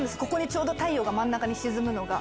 ちょうど太陽が真ん中に沈むのが。